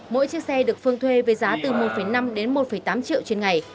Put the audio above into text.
mỗi chiếc xe được phương thuê với giá từ một năm đến một tám triệu trên ngày